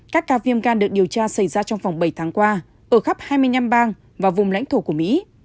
các ca viêm gan được điều tra xảy ra trong vòng bảy tháng qua ở khắp hai mươi năm bang và vùng lãnh thổ của mỹ